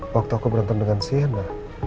waktu aku berhentam dengan shaina